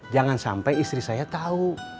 jangan sampai istri saya tahu